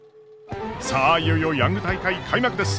さあいよいよヤング大会開幕です！